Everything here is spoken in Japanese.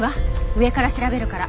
上から調べるから。